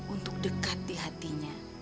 untuk dekat di hatinya